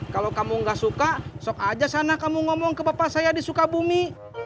kalau kamu gak suka sok aja sana kamu ngomong ke bapak saya di sukabumi